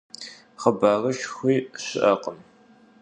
Xhıbarışşxui şı'ekhım.